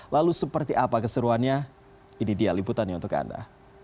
lalu seperti apa keseruannya ini dia liputannya untuk anda